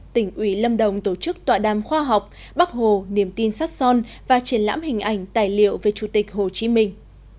tỉnh ủy lâm đồng tổ chức tọa đàm khoa học bắc hồ niềm tin sắt son và triển lãm hình ảnh tài liệu về chủ tịch hồ chí minh